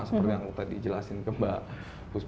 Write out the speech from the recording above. seperti yang tadi dijelasin ke mbak